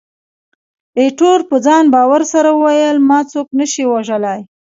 ایټور په ځان باور سره وویل، ما څوک نه شي وژلای.